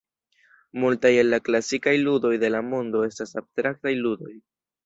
Multaj el la klasikaj ludoj de la mondo estas abstraktaj ludoj.